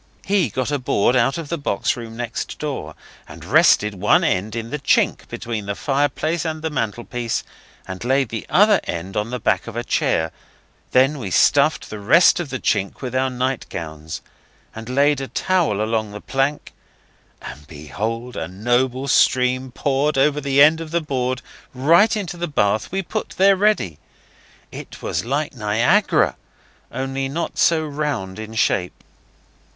He got a board out of the box room next door, and rested one end in the chink between the fireplace and the mantelpiece, and laid the other end on the back of a chair, then we stuffed the rest of the chink with our nightgowns, and laid a towel along the plank, and behold, a noble stream poured over the end of the board right into the bath we put there ready. It was like Niagara, only not so round in shape.